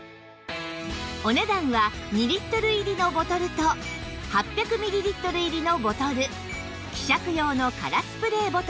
お値段は２リットル入りのボトルと８００ミリリットル入りのボトル希釈用の空スプレー